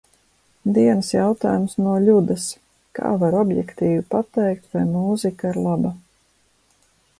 Dienas jautājums no Ļudas – kā var objektīvi pateikt, vai mūzika ir laba?